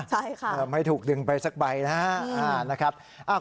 ใช่ค่ะไม่ถูกดึงไปสักใบนะครับ